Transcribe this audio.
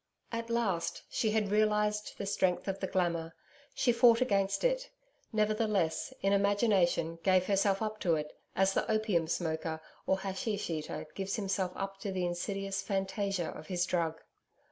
At last, she had realized the strength of the glamour. She fought against it; nevertheless, in imagination gave herself up to it, as the opium smoker or haschisch eater gives himself up to the insidious FANTASIA of his drug.